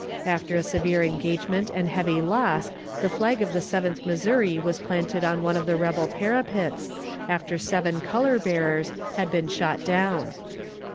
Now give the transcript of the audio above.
After a severe engagement and heavy loss the flag of the Seventh Missouri was planted on one of the rebel parapets, after seven color bearers had been shot down.